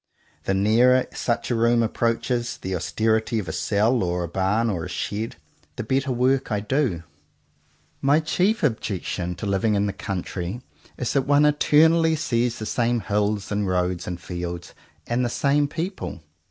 The nearer such a room approaches the austerity of a cell or a barn or a shed, the better work I do. 91 CONFESSIONS OF TWO BROTHERS My chief objection to living in the country is that one eternally sees the same hills and roads and fields, and the same people.